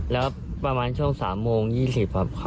แล้วประมาณช่วง๓โมง๒๐ครับ